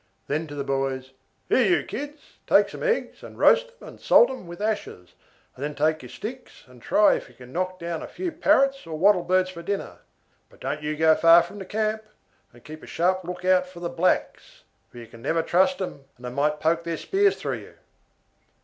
Then to the boys, "Here you kids, take some eggs and roast 'em and salt 'em with ashes, and then take your sticks and try if you can knock down a few parrots or wattle birds for dinner. But don't you go far from the camp, and keep a sharp look out for the blacks; for you can never trust 'em, and they might poke their spears through you."